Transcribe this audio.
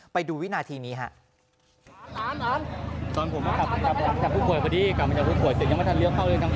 ไปดูวินาทีนี้